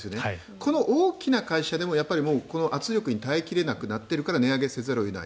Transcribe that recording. この大きな会社でも圧力に耐え切れなくなっているから値上げせざるを得ない。